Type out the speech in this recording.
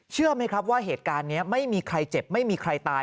เชื่อไหมครับว่าเหตุการณ์นี้ไม่มีใครเจ็บไม่มีใครตาย